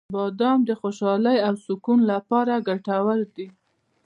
• بادام د خوشحالۍ او سکون لپاره ګټور دي.